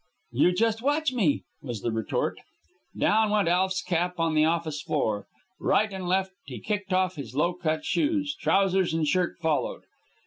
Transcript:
"You just watch me," was the retort. Down went Alf's cap on the office floor. Right and left he kicked off his low cut shoes. Trousers and shirt followed.